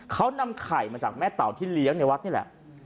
เขานำไข่มาจากแม่เต่าที่เลี้ยงในวัดนี่แหละ